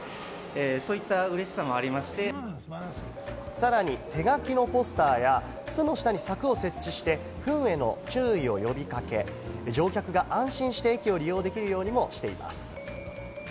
さらに手書きのポスターや巣の下に柵を設置してフンへの注意を呼び掛け、乗客が安心して駅を利用できるようにもしています。